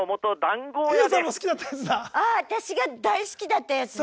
私が大好きだったやつだ！